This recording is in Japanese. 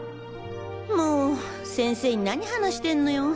もう先生に何話してんのよ。